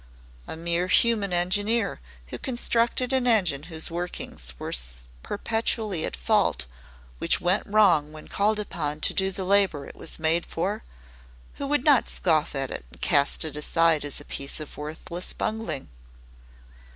A mere human engineer who constructed an engine whose workings were perpetually at fault which went wrong when called upon to do the labor it was made for who would not scoff at it and cast it aside as a piece of worthless bungling?